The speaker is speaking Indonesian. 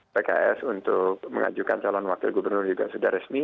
pks untuk mengajukan calon wakil gubernur juga sudah resmi